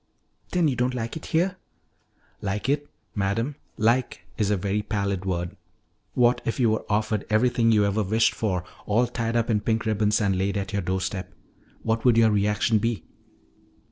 "Then you don't like it here?" "Like it? Madam, 'like' is a very pallid word. What if you were offered everything you ever wished for, all tied up in pink ribbons and laid on your door step? What would your reaction be?"